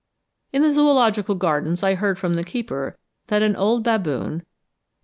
In the Zoological Gardens, I heard from the keeper that an old baboon (C.